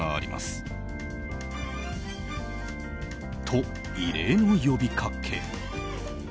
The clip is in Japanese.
と、異例の呼びかけ。